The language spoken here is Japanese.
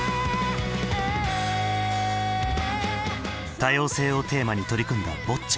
多様性をテーマに取り組んだボッチャ。